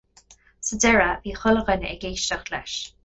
Sa deireadh, bhí chuile dhuine ag éisteacht leis.